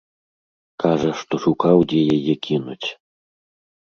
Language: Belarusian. Кажа, што шукаў, дзе яе кінуць.